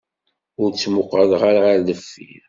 Ur ttmuqquleɣ ara ɣer deffir.